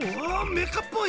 メカっぽい！